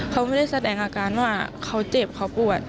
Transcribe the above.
เขาไม่ได้แสดงอาการว่าเขาเจ็บเขาปวด